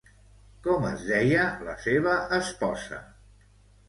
Com es deia la seva esposa?